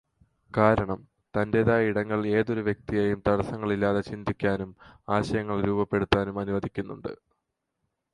കാരണം, തന്റേതായ ഇടങ്ങൾ ഏതൊരു വ്യക്തിയെയും തടസ്സങ്ങളില്ലാതെ ചിന്തിക്കാനും ആശയങ്ങൾ രൂപപ്പെടുത്താനും അനുവദിക്കുന്നുണ്ട്.